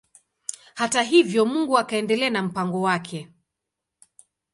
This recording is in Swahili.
Hata hivyo Mungu akaendelea na mpango wake.